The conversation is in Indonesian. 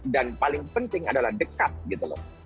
dan paling penting adalah dekat gitu loh